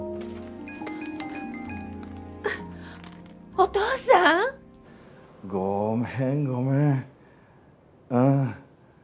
お父さん⁉ごめんごめんうん。